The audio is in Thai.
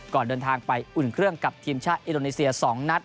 ก่อนเดินทางไปอุ่นเครื่องกับทีมชาติอินโดนีเซีย๒นัด